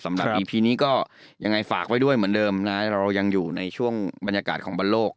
สำหรับอีพีนี้ก็ยังไงฝากไว้ด้วยเหมือนเดิมนะเรายังอยู่ในช่วงบรรยากาศของบรรโลก